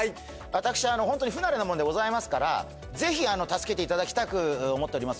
私ホントに不慣れなもんでございますから是非助けていただきたく思っております